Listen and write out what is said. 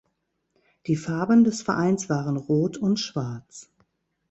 Die Farben des Vereins waren Rot und Schwarz.